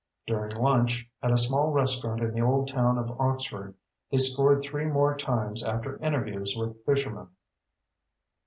During lunch, at a small restaurant in the old town of Oxford, they scored three more times after interviews with fishermen.